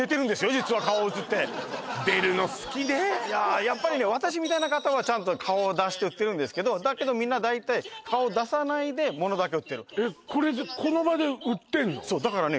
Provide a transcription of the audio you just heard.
実は顔映っていやっやっぱりね私みたいな方はちゃんと顔を出して売ってるんですけどだけどみんな大体顔出さないでものだけ売ってるそうだからね